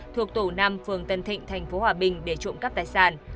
thuộc tổ năm phường tân thịnh tp hòa bình để trộm cắp tài sản